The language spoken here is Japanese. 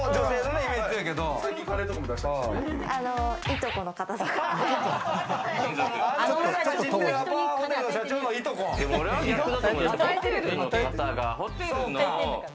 いとこの方とか？